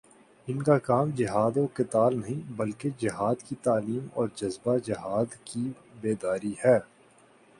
ان کا کام جہاد و قتال نہیں، بلکہ جہادکی تعلیم اور جذبۂ جہاد کی بیداری ہے